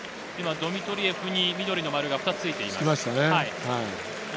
ドミトリエフに緑の丸が２つ、ついています。